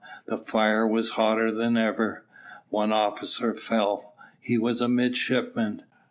The fire was hotter than ever. One officer fell. He was a midshipman.